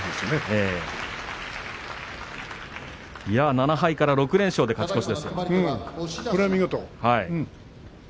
７敗から６連勝で勝ち越しですよ。